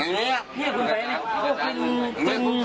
ไอฆาตไม่มีเลย